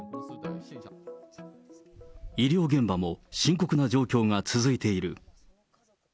医療現場も深刻な状況が続いている。